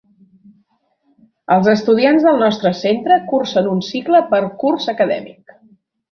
Els estudiants del nostre centre cursen un cicle per curs acadèmic.